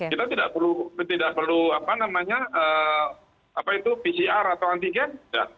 kita tidak perlu pcr atau antigen